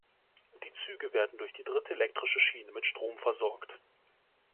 Die Züge werden durch die dritte elektrische Schiene mit Strom versorgt.